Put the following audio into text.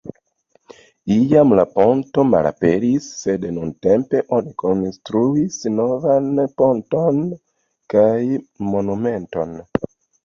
Iam la ponto malaperis, sed nuntempe oni konstruis novan ponton kaj monumenton.